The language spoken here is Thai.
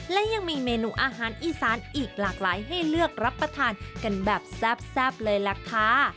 และยังมีเมนูอาหารอีสานอีกหลากหลายให้เลือกรับประทานกันแบบแซ่บเลยล่ะค่ะ